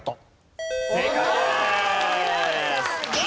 正解です！